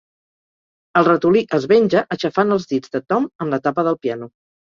El ratolí es venja aixafant els dits de Tom amb la tapa del piano.